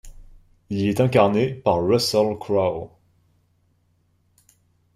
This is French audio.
Il y est incarné par Russell Crowe.